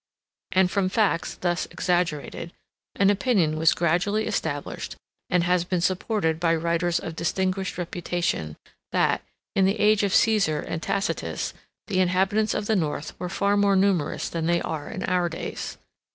And from facts thus exaggerated, an opinion was gradually established, and has been supported by writers of distinguished reputation, that, in the age of Cæsar and Tacitus, the inhabitants of the North were far more numerous than they are in our days.